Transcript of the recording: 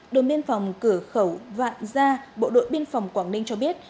đồn biên phòng cửa khẩu vạn gia bộ đội biên phòng quảng ninh cho biết